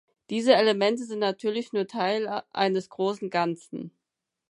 Diese Elemente sind natürlich nur Teile eines großen Ganzen.